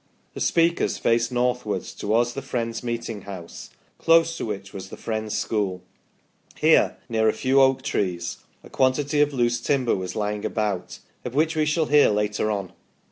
The speakers faced northwards, towards the Friends' meeting house, close to which was the Friends' school. Here, near a few oak trees, a quantity of loose timber was lying about, of which we shall hear later on.